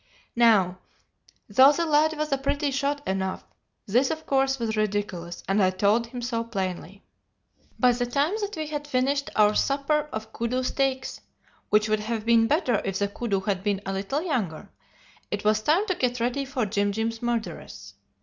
Now, though the lad was a pretty shot enough, this of course was ridiculous, and I told him so plainly. "By the time that we had finished our supper of koodoo steaks (which would have been better if the koodoo had been a little younger), it was time to get ready for Jim Jim's murderess.